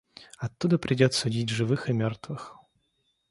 оттуда придёт судить живых и мертвых.